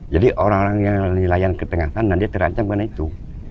jadi orang orang nilai ketengah sana dia terancam karena itu